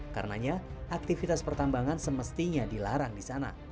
karenanya aktivitas pertambangan semestinya dilarang di sana